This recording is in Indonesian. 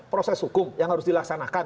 proses yang harus dilaksanakan